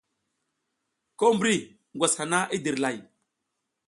Ko mbri ngwas hana i dirlay.